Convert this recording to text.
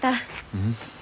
うん？